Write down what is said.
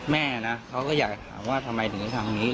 แม่นะเขาก็อยากจะถามว่าทำไมถึงทำนี้